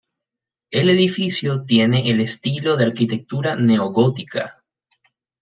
El edificio tiene el estilo de arquitectura neogótica.